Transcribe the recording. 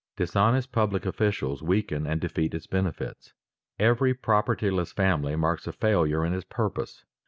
Dishonest public officials weaken and defeat its benefits. Every propertyless family marks a failure in its purpose.